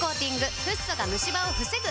フッ素がムシ歯を防ぐ！